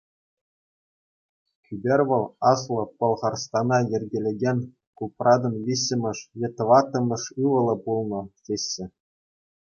Кӳпер вӑл Аслӑ Пӑлхарстана йӗркелекен Купратӑн виҫҫӗмӗш е тӑваттӑмӗш ывӑлӗ пулнӑ, теҫҫӗ.